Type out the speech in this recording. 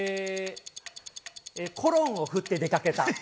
コロンを振って出かけた。